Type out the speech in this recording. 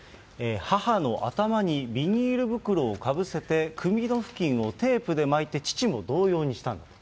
母の頭にビニール袋をかぶせて、首の付近をテープで巻いて父も同様にしたんだと。